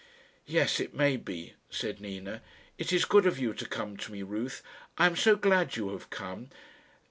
"Yes; it may be," said Nina. "It is good of you to come to me, Ruth. I am so glad you have come.